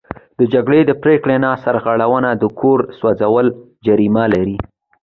د جرګې د پریکړې نه سرغړونه د کور سوځول جریمه لري.